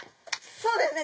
そうですね